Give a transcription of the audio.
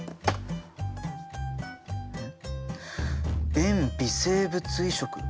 便微生物移植？